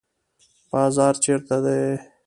بازار چیرته دی؟